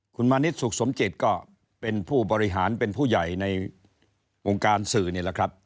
คุณมานิดสุขสมจิตก็เป็นผู้บริหารเป็นผู้ใหญ่ในวงการสื่อนี่แหละครับ